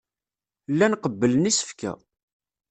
Llan qebblen isefka.